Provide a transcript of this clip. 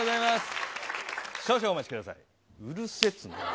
少々お待ちください。